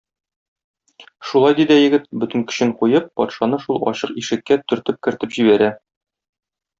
Шулай ди дә егет, бөтен көчен куеп, патшаны шул ачык ишеккә төртеп кертеп җибәрә.